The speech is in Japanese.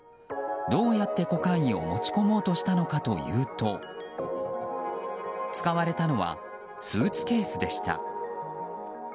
どうやってコカインを持ち込もうとしたのかというと使われたのはスーツケースでした。